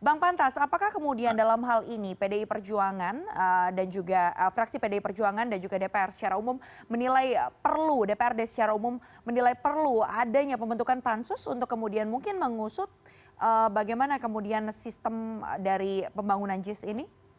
bang pantas apakah kemudian dalam hal ini pdi perjuangan dan juga fraksi pdi perjuangan dan juga dpr secara umum menilai perlu dprd secara umum menilai perlu adanya pembentukan pansus untuk kemudian mungkin mengusut bagaimana kemudian sistem dari pembangunan jis ini